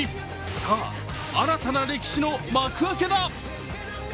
さあ、新たな歴史の幕開けだ。